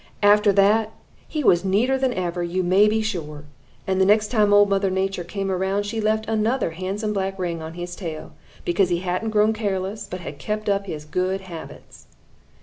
"After that he was neater than ever, you may be sure, and the next time Old Mother Nature came around, she left another handsome black ring on his tail, because he hadn't grown careless, but had kept up his good habits.